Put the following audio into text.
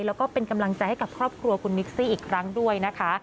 แล้วก็เป็นกำลังใจให้กับครอบครัวคุณมิกซี่อีกครั้งด้วยนะคะ